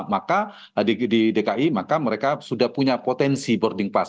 maka di dki maka mereka sudah punya potensi boarding pass